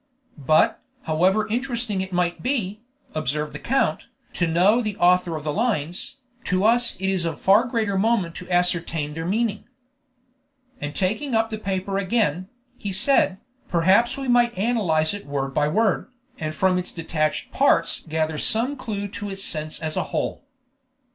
"But, however interesting it might be," observed the count, "to know the author of the lines, to us it is of far greater moment to ascertain their meaning." And taking up the paper again, he said, "Perhaps we might analyze it word by word, and from its detached parts gather some clue to its sense as a whole."